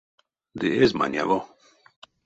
Ды эзь маняво.